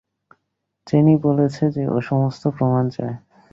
চেনি বলেছে যে ও সমস্ত প্রমাণ চায়।